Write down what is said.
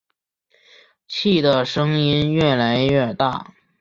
气的声音越来越大